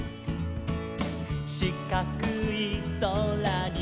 「しかくいそらに」